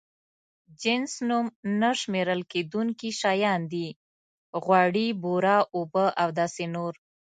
جنس نوم نه شمېرل کېدونکي شيان دي: غوړي، بوره، اوبه او داسې نور.